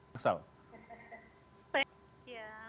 ya hampir tahun